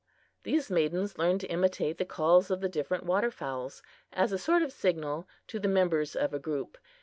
These maidens learned to imitate the calls of the different water fowls as a sort of signal to the members of a group.